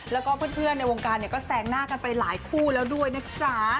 แล้วก็เพื่อนในวงการเนี่ยก็แซงหน้ากันไปหลายคู่แล้วด้วยนะจ๊ะ